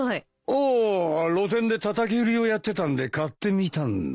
ああ露店でたたき売りをやってたんで買ってみたんだよ。